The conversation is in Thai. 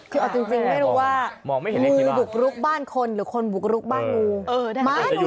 คือเอาจริงไม่รู้ว่างูบุกรุกบ้านคนหรือคนบุกรุกบ้านงู